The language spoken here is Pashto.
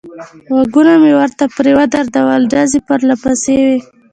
غوږونه مې ورته پرې ودرول، ډزې پرله پسې وې.